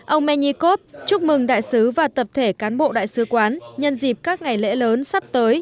ông menikov chúc mừng đại sứ và tập thể cán bộ đại sứ quán nhân dịp các ngày lễ lớn sắp tới